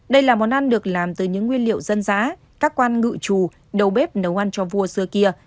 đây là món ăn được làm từ những nguyên liệu dân dã các quan ngự trù đầu bếp nấu ăn cho vua xưa kia